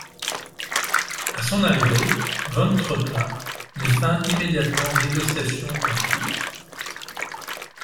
À son arrivée, von Trotha met fin immédiatement aux négociations en cours.